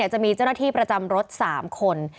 จะมีเจ้าหน้าที่ประจำรถ๓คน